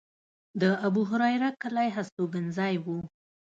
د ابوهریره کلی هستوګنځی و.